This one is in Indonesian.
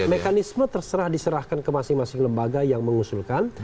mekanisme terserah diserahkan ke masing masing lembaga yang mengusulkan